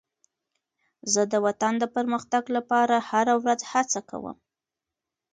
زه د وطن د پرمختګ لپاره هره ورځ هڅه کوم.